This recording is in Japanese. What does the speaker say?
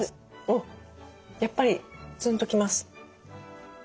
おっやっぱりツンと来ます。